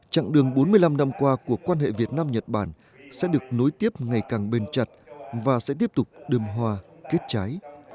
trạng đường bốn mươi năm năm qua của quan hệ việt nam nhật bản sẽ được nối tiếp ngày càng bền chặt và sẽ tiếp tục đường hòa kết trái